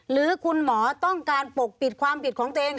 หรือคุณหมอต้องการปกปิดความผิดของตัวเอง